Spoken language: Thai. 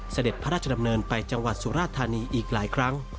เสด็จพระราชดำเนินไปจังหวัดสุราธานีอีกหลายครั้ง